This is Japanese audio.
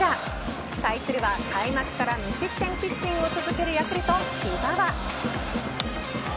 対するは開幕から無失点ピッチングを続けるヤクルト木澤。